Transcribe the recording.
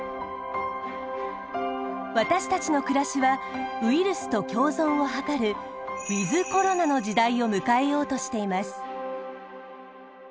私たちの暮らしはウイルスと共存を図るウィズコロナの時代を迎えようとしています。